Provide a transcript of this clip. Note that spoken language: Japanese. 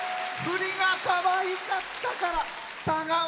振りがかわいかったから。